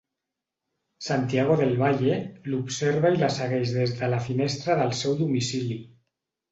Santiago del Valle l'observa i la segueix des de la finestra del seu domicili.